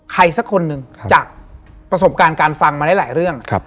สักคนหนึ่งจากประสบการณ์การฟังมาได้หลายเรื่อง